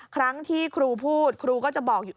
ครั้งที่ครูพูดครูก็จะบอกอยู่